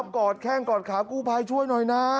กอดแข้งกอดขากู้ภัยช่วยหน่อยนะ